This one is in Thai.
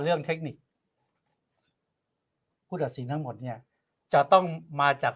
เรื่องเทคนิคอาหารของฮูกษาสิทธิทั้งหมดเนี่ยจะต้องมาจาก